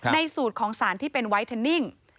สูตรของสารที่เป็นไวเทนนิ่ง